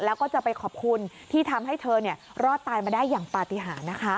แล้วก็จะไปขอบคุณที่ทำให้เธอรอดตายมาได้อย่างปฏิหารนะคะ